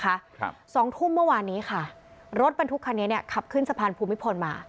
ครับสองทุ่มเมื่อวานนี้ค่ะรถบรรทุกคันนี้เนี้ยขับขึ้นสะพานภูมิพลมา